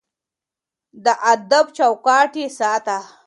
د ادب چوکاټ يې ساته.